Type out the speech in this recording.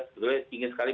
sebenarnya ingin sekali